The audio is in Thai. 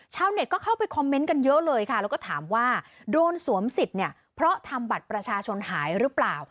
เน็ตก็เข้าไปคอมเมนต์กันเยอะเลยค่ะแล้วก็ถามว่าโดนสวมสิทธิ์เนี่ยเพราะทำบัตรประชาชนหายหรือเปล่า